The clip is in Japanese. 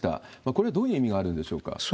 これ、どういう意味があるんでしょうか？